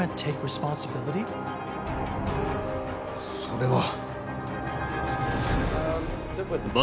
それは。